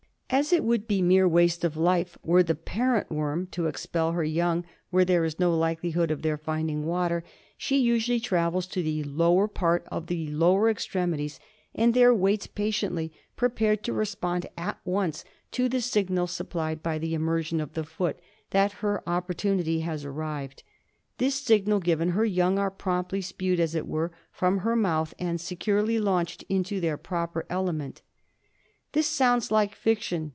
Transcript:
As it would be mere waste of life were the parent worm to expel her young where there is no likeli hood of their finding water, she usually travels to the lower part of the lower extremities and there waits patiently, prepared to respond at once to the signal supplied by the immersion of the foot, that her oppor tunity has arrived. This signal given, her young are promptly spewed, as it were, from her mouth and securely launched into their proper element. This sounds like fiction.